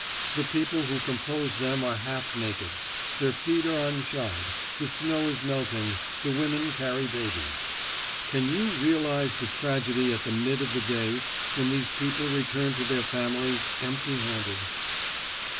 The people who compose them are half naked; their feet are unshod; the snow is melting; the women carry babies. Can you realize the tragedy at the mid of the day when these people return to their families empty handed?